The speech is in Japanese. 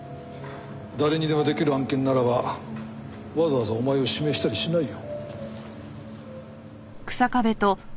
誰にでも出来る案件ならばわざわざお前を指名したりしないよ。